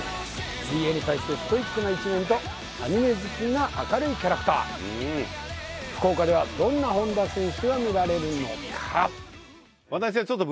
水泳に対してストイックな一面とアニメ好きな福岡ではどんな本多選手が見られるのか？